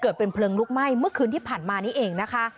เกิดเป็นเพลิงลุกไหม้เมื่อคืนที่ผ่านมานี้เองนะคะ